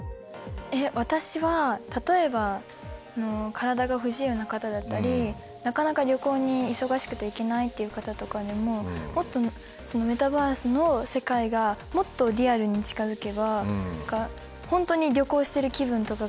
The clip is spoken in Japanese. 私は例えば体が不自由な方だったりなかなか旅行に忙しくて行けないっていう方とかでももっとメタバースの世界がもっとリアルに近づけば本当に旅行してる気分とかが味わえるようになって。